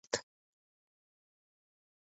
হেই, দোস্ত।